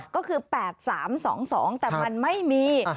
ก็คือแปดสามสองแต่มันไม่มี